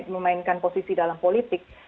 memainkan posisi dalam politik